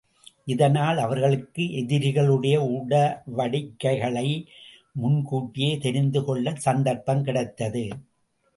இதனால் அவர்களுக்கு எதிரிகளுடைய உடவடிக்கைகளை முன்கூட்டியே தெரிந்துக் கொள்ளச் சந்தர்ப்பம் கிடைத்தது.